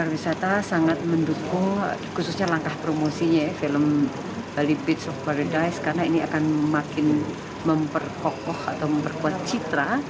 bali beats of paradise karena ini akan makin memperkokoh atau memperkuat citra